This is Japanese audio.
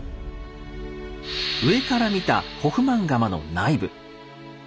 上から見たホフマン窯の内部。